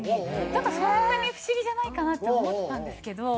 だからそんなに不思議じゃないかなって思ってたんですけど。